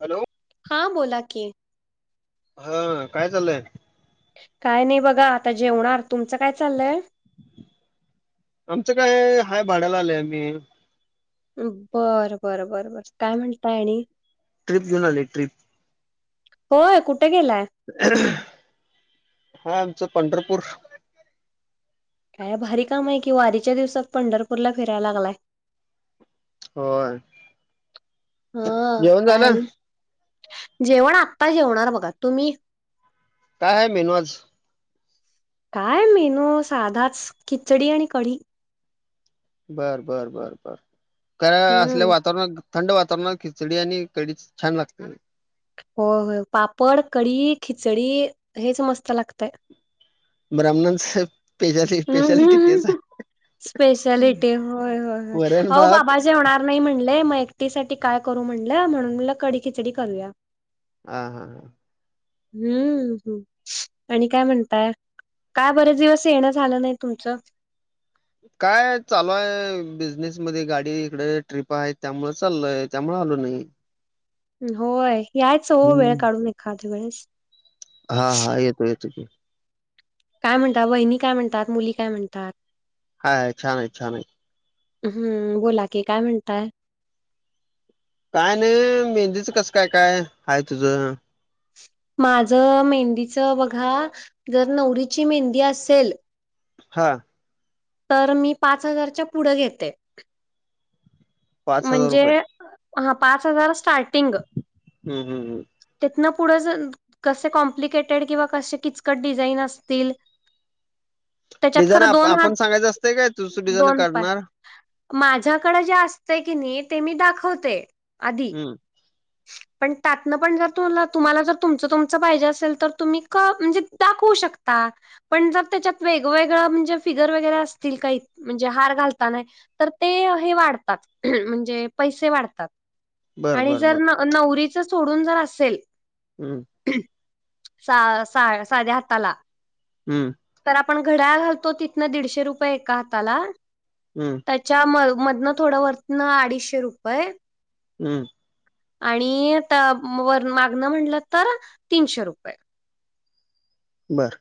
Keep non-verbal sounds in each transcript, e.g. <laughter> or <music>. Hello. हां बोला की, ह काय चाललंय? काय नाही बघा आता जेवणार? तुमचं काय चाललंय? आमचं काय हाय भाड्याला आलोय आम्ही बरं बरं बर बर काय म्हणताय आणि? ट्रिप घेऊन आली ट्रिप होय कुठ गेलाय हा आमचा पंढरपूर काय भारी काम आहे कि वारीच्या दिवसात पंढरपूरला फिरा लागलाय होय हा जेवण काय झालं आणि जेवण आत्ता जेवणार बघा तुम्ही काय आहे मेनू आज काय मेनू साधाच खिचडी आणि कढी बर बरं बरं बर खर असल्या हम्म. वातावरणात थंड वातावरणात खिचडी आणि कडीच छान लागते हो होय पापड कडी खिचडी हेच मस्त लागतय ब्राह्मणांच स्पेशाल स्पेशालिटी तेच आहे स्पेशलिटी होय होय होय वरण अ वो भात बाबा जेवणार नाही म्हणले मग एकटीसाठी काय करू म्हणलं म्हणून मला कडी खिचडी करूया हा हा हा हम्म् आणि काय म्हणताय काय बरेच दिवस येण झालं नाही तुमच काय चालू आहे बिझनेस मध्ये गाडी इकड ट्रिपा आहेत त्यामुळे चालय त्यामुळे आलो नाही होय यायच हो वेळ हम्म काढून एखादी वेळेस हा हा येतो येतो की काय म्हणतात वहिणी काय म्हणतात मुली काय म्हणतात हायय छान आहे छान आहे हम्म बोला की काय म्हणताय काय नाही मेहंदीचं कसं काय काय हाय तुझं माझं मेहंदीच बघा जर नवरीची मेहंदी असेल हा तर मी पाच हजारच्या पुढ घेते पाच हजार म्हणजे रुपये हा पाच हजार स्टार्टिंग हम्म हम्म हम्म तीतन पुढं ज कसे कॉम्प्लिकेटेड किंवा कसे किचकट डिझाईन असतील त्याच्यात डिझाईन खरं आप दोन आपण हात सांगायचं असतंय काय तूच डिझाईन दोन पाय काढणार माझ्याकड जे असतय की नाही ते मी दाखवते आधी हम्म पण त्यातनं पण जर तुला तुम्हाला जर तुमच तुमच पाहिजे असेल तर तुम्ही क म्हणजे दाखवू शकता ता पण जर त्याच्यात वेगवेगळं म्हणजे फिगर वगैरे असतील काही म्हणजे हार घालताना तर ते हे वाढतात म्हणजे पैसे वाढतात बर आणि बर जर बर नव नवरीच सोडून जर असेल हम्म सा सा साध्या हाताला हम्म तर आपण घड्याळ घालतो तिथनं दीडशे रुपये एका हाताला हम्म त्याच्या म मधनं थोडं वरतन अडीचशे रुपये हम्म आणि ते वर मागणं म्हंटलं तर तीनशे रुपये बर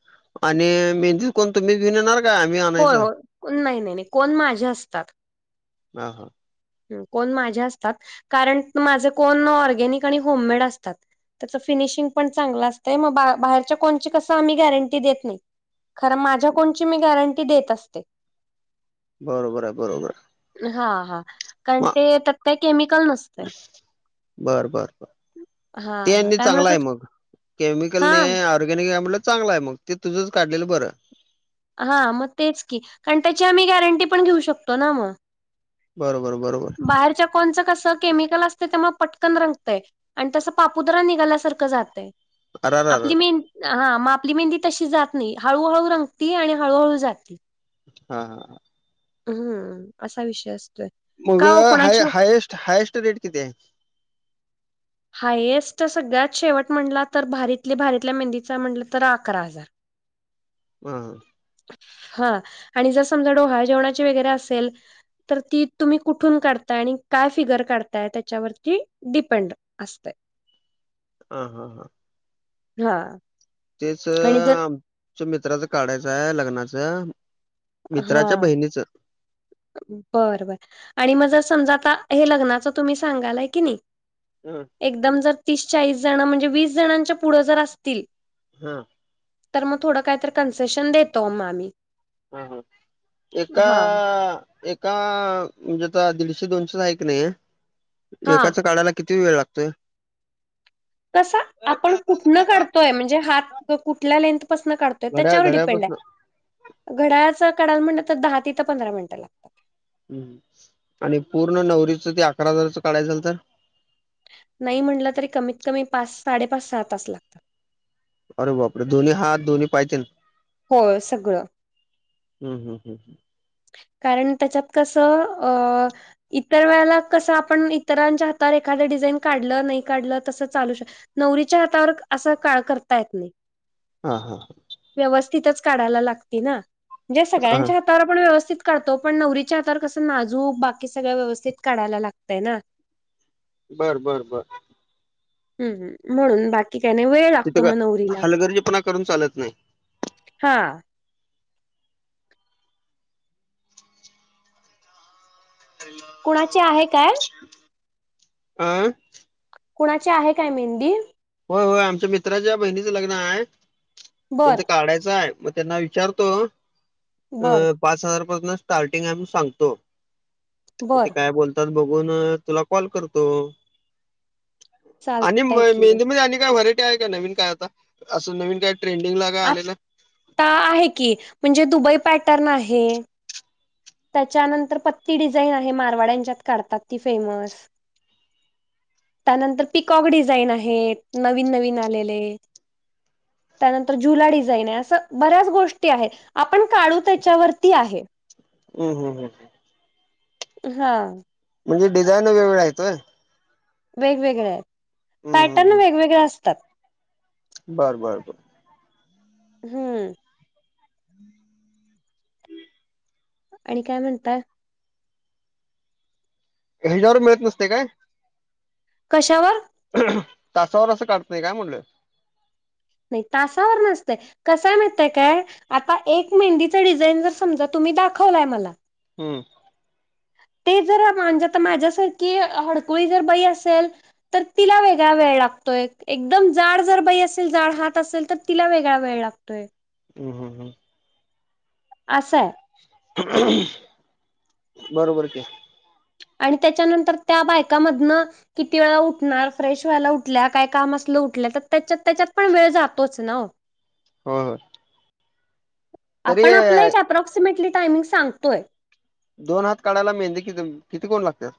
आणि मेहंदी कोण तुम्ही घेऊन येणार का आम्ही हो आणायचं हो नाही नाही नाही कोण माझे असतात ह हा कोण माझे असतात कारण माझे कोण ऑर्गॅनिक आणि होममेड असतात त्याच फिनिशिंग पण चांगलं असतंय मग बा बाहेरच्या कोणची कसं आम्ही गॅरंटी देत नाही खरं माझ्या कोणची मी गॅरंटी देत असते बरोबर आहे बरोबर आहे. हा हा कारण म ते त्यात काय केमिकल नसत. बर बर बर हा ते काय चांगला म्हणत आहे होत मग केमिकल हा. न ऑर्गॅनिक हाय चांगला आहे मग ते तुझंच काढलेलं बरं हा मग तेच की कारण त्याची आम्ही गॅरंटी पण घेऊ शकतो ना मग. बरोबर बरोबर. बाहेरच्या कोणचं कसं केमिकल असतं त्या मग पटकन रंगतय. आणि तसं पापूदरा निघाल्यासारखं जातय अर आपली मेन. हा मग आपली मेहंदी तशी जात नाही हळूहळू रंगते आणि हळूहळू जाते. हा हा ह. हम्म असा विषय असतोय. मग का ओ हाय कुणाची हायस्ट हायस्ट रेट किती आहे. हायएस्ट सगळ्यात शेवट म्हटला तर भारीतले भारीतल्या मेहंदीचा म्हटलं तर अकरा हजार हम ह. हा आणि जर समजा डोहाळे जेवणाची वगैरे असेल. तर ती तुम्ही कुठून काढताय आणि काय फिगर काढताय त्याच्यावरती डिपेंड असतय. हा हा हा. हा. तेच आणि जर आमच्या मित्राच काढायचं आहे लग्नाच हा. <inaudible> बर बर आणि मग जर समजा आता हे लग्नाच तुम्ही सांगालय की नाही. हम. एकदम जर तीस चाळीस जण म्हणजे वीस जणांच्या पुढं जर असतील. हा. तर मग थोडं काय तर कन्सेशन देतो मग आम्ही हा हा एका हा हा एक का म्हणजे आता दीडशे दोनशेच हाय की नाही. हा एकाच काडायला किती वेळ लागतोय. कसा आपण कुठनं काढतोय म्हणजे हात कुठल्या लेंथपसन काढतो. घड्या त्याच्यावर डिपेंड घड्यापासून आहे घड्याळच कडाल म्हण तर दहा ती ते पंधरा मिनिटं लागतात. ह् आणि पूर्ण नवरीचं ते अकरा हजाराचं काढायच झाल तर नाही म्हटलं तरी कमीत कमी पाच साडेपाच सहा तास लागतात. अरे बापरे दोन्ही हात दोन्ही पाय तेन. होय सगळं. हम् हम हम् ह. कारण त्याच्यात कस अ इतर वेळेला कसं आपण इतरांच्या हातावर एखादं डिझाईन काढलं नाही काढलं तसं चालू शकत. नवरीच्या हातावर असा काळ करता येत नाही. हा हा हा. व्यवस्थितच काढायला लागतय ना,, म्हणजे हा सगळ्यांच्या हातावर पण व्यवस्थित व्यवस्थित काढतो, पण नवरीच्या हातावर कसं नाजूक बाकी सगळं व्यवस्थित काढायला लागतंय ना. बर, बर, बर. हम्,, म्हणून बाकी काय नाही,, वेळ लागतो तिथं काय मग नवरीला. हलगर्जीपणा करून चालत नाही हा, कुणाची आहे काय आं, कुणाची आहे काय मेहंदी? होय होय,, आमच्या मित्राच्या बहिणीचं लग्न आहे, बर त्यांचं काढायचं आहे. मग त्यांना विचारतो, बर अ पाच हजारपसनं स्टार्टिंग आय म्हणून सांगतो,, मग ते बर काय बोलतोऽ बघुन तुला कॉल करतो,, आणिऽ चालतय की काय व्हरायटी आहे काय नवीन काय आता? असं नवीन काय ट्रेंडिंगला काय आ आलेलं? आहे की,, म्हणजे दुबई पॅटर्न आहे,, त्याच्यानंतर पत्ती डिझाईन आहे,, मारवाड्यांच्यात काढतात ती फेमस. त्यानंतर पिकॉक डिझाईन आहे,, नवीन नवीन आलेले,, त्यानंतर जुला डिझाईन आहे,, असं बऱ्याच गोष्टी आहेत. आपण काढू त्याच्यावरती आहे. हम्म, हम्, हम् हा, म्हणजे डिझान वेगवेगळ्या हाईत वय. वेगवेगळे य, हम्म हम्म पॅटर्न वेगवेगळे असऽऽ बरं, बर, बर हम्म, आणि काय म्हणता? ह्याजावर मिळत नसतय काय? कशावर? तासावर असं काढत नाही काय म्हणलं? नाही तासावर नसतयऽ कसयं माहितय काय? आता एक मेहंदीचा डिझाईन जर समजा तुम्ही दाखवलाय मलाऽ हम्म, ते जर,, म्हणजे आता माझ्यासारखी हडकुळी जर बाई असेलऽ तर तिला वेगळा वेळ लागतोय,, एकदम जाड जर बाई असेल, जाड हात असेल तरऽ तिला वेगळा वेळ लागतोय. हम्, हम, हम असंय. बरोबर की. आणि त्याच्यानंतर त्या बायकामधनंऽऽ किती वेळा उठणार, फ्रेश व्हायला उठल्या, काय काम असलं उठल्या,, तर त्याच्यात त्याच्यात पण वेळ जातोच ना ओ. होय होय, तरी आपण आपला अ, एक अप्रॉक्सिमेटली टायमिंग सांगतोय. दोन हात काढायला मेहंदी,, कि, किती कोण लागत्यात?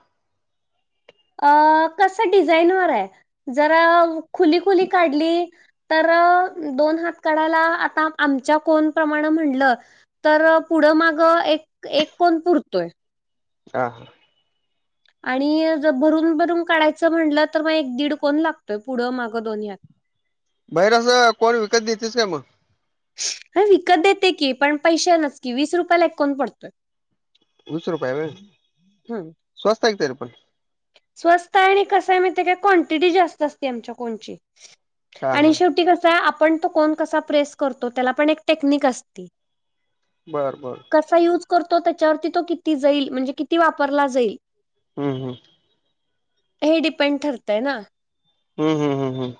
अऽ कस डिझाईन वर आहे,, जरा खुली, खुली काढलीऽ तर,, दोन हात काढायला,, आता आमच्या कोण प्रमाणे म्हटलंऽ तरऽ पुढं माग,, एक,, एक कोण पुरतोय. हां, हां, आणि ऽजर भरून, भरून काढायचं म्हणलं,, तर मग एक, दीड कोण लागतोय. पुढं मागं दोन हातऽ बाहेर असं कोण विकत देत्यास काय मग? ह,, विकत देते की पण पैशानच की,, वीस रुपयाला एक कोण पडतोय. वीस रुपय आय वय,, हम्म स्वस्त आहे कि तरी पण. स्वस्त आय आणि कस आहे माईतीय काय क्ांटिटी जास्त असत्या आमच्या कोणची. हा आणि हा शेवटी कसा आपण तो कोण कसा प्रेस करतो त्याला पण एक टेक्निक असती बरं बर कसा युज करतो त्याच्यावरती तो किती जाईल म्हणजे किती वापरला जाईल, हम् हम, हे डिपेंड ठरतय ना. हम हम. हम हं हं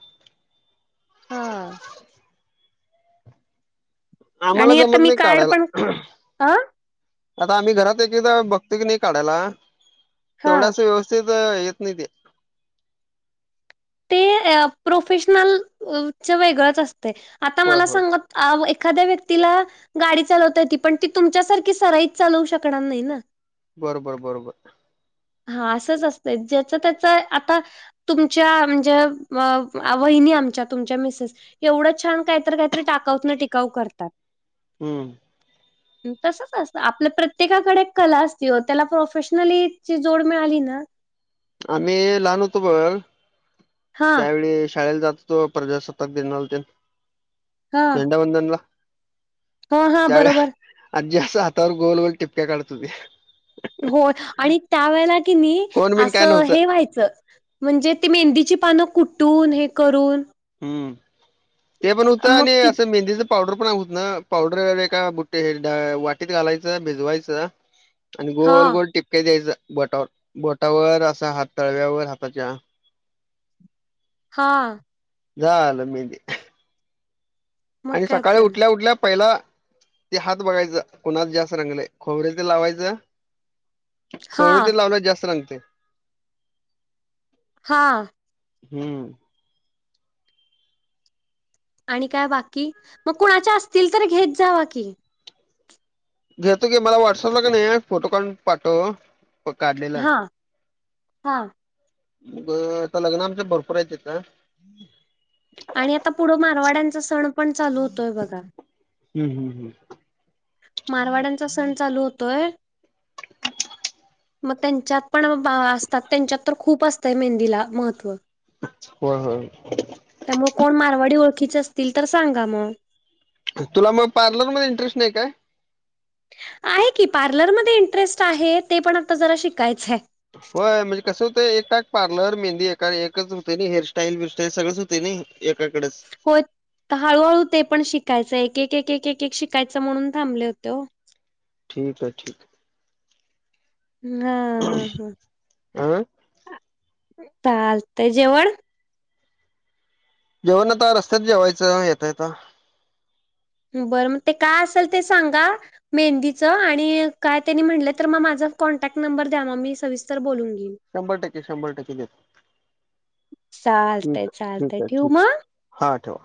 हा आम्हाला आणि आता जमत मी नाही कार्ड काढायला पण अ आता आम्ही घरात एक एकदा बघतो की नाही काढायला हा तेवढ्या अस व्यवस्थित येत नाही ते ते अ प्रोफेशनल वेगळच असतय आता होय मला होय सांगा आ व एखाद्या व्यक्तीला गाडी चालवता येती पण ती तुमच्यासारखी सराईच चालवू शकणार नाही ना. बरोबर बरोबर. हा असंच असतं ज्याच त्याच आता तुमच्या म्हणजे म वहिनी आमच्या तुमच्या मिसेस एवढ छान कायतरी कायतरी टाक काऊतन टिकाऊ करतात. हम्म तसंच असत आपल्या प्रत्येकाकडे कला असती ओ त्याला प्रोफेशनलीची जोड मिळाली ना- आम्ही लहान होतो बघ हां, त्यावेळी शाळेला जात- तो प्रजासत्ताक दिनाल तेन हां, झेंडावंदनला हां, हां बरोबर. त्यावेळेला आजी अस हातावर गोल गोल टिपक्या काढत होती. होय आणि त्यावेेळेला कीनी कोण बिन काय असं नव्हतं हे व्हायचं. म्हणजे ती मेहंदीची पानं कुटून हे करून. हम्म ते पण होतं मग आणि ती असं मेहंदीचं पावडर पण आ हुत ना पावडर एका बुटे वाटीत घालायच भिजवायचं आणि गोल हां, गोल टिपक्या द्यायचा बोटावर बोटावर असा हात तळव्यावर हाताच्या हा. झालं मेंदी मग आणि काय सकाळी तर. उठल्या उठल्या पहिला ते हात बघायचं कुणात जास्त रंगलंय खोबऱेल तेल लावायचं खोबरेल हां, तेल लावल्यावर जास्त रंगते. हा हम्म. आणि काय बाकी मग कुणाच्या असतील तर घेत जावा की घेतो की मला व्हॉट्सअप ला का नाही फोटो काढून पाठव. प काढलेला. हां, हां ब आता लग्न आमच्यात भरपूर आहे इथं आणि आता पुढं मारवाड्यांचा सण पण चालू होतोय बघा हम्म हम्म हम्म मारवाड्यांचा सण चालू होतोय. मग त्यांच्यात पण बा असतात त्यांच्यात तर खूप असतंय मेहंदीला महत्त्व होय होय. त्यामुळं कोण मारवाडी ओळखीचे असतील तर सांगा म तुला मग पार्लर मध्ये इंटरेस्ट नाय काय. आहे की पार्लरमध्ये इंटरेस्ट आहे ते पण आता जरा शिकायचंय. होय म्हणजे कसं होतय एकाच पार्लर मेंदी एकच होते नाही हेअरस्टाईल बिरस्टाईल सगळेच होते नई. एकाकडच होत हळूहळू ते पण शिकायचं एक एक एक एक एक शिकायचं म्हणून थांबले होते ओ ठीक आहे ठीक हा हा हा आ चालतय जेवण जेवण आता रस्त्यात जेवायचं येता येता. बरं म ते काय असेल ते सांगा मेहंदीच आणि काय त्यांनी म्हणलं तर मग माझा कॉन्टॅक्ट नंबर द्या मग मी सविस्तर बोलून घेईन. शंभर टक्के शंभर टक्के देत ठीक चालतंय आहे ठीक चालतंय आहे ठेवू ठीक मग. हा ठेव.